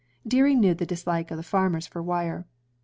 Deering knew the dislike of the farmers for wire.